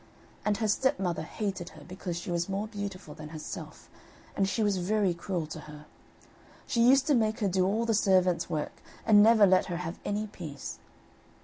And her stepmother hated her because she was more beautiful than herself, and she was very cruel to her. She used to make her do all the servant's work, and never let her have any peace.